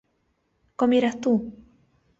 ¿comieras tú?